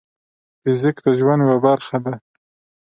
فزیک د ژوند یوه برخه ده.